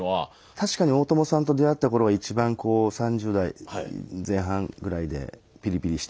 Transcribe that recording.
確かに大友さんと出会った頃は一番こう３０代前半ぐらいでピリピリしてて。